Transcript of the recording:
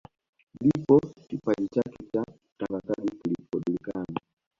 Ndipo kipaji chake cha utangazaji kilipojulikana